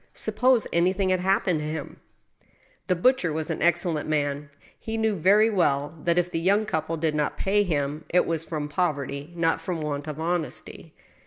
Suppose anything had happened to him ! The butcher was an excellent man. He knew very well that, if the young couple did not pay him, it was from poverty, not from want of honesty.